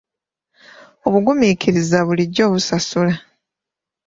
Obugumiikiriza bulijjo busasula.